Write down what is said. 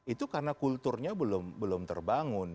itu karena kulturnya belum terbangun